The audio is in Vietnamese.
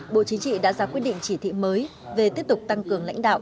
bộ chính trị đã ra quyết định chỉ thị mới về tiếp tục tăng cường lãnh đạo